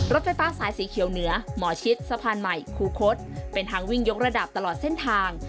รถไฟฟ้าสายสีเขียวเหนือหมอชิดสะพานใหม่คูคศเป็นทางวิ่งยกระดับตลอดเส้นทาง